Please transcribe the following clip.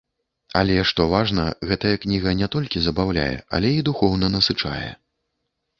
Але, што важна, гэтая кніга не толькі забаўляе, але і духоўна насычае.